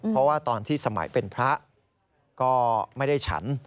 เพราะว่าตอนที่สมัยเป็นพระก็ไม่ได้ฉัน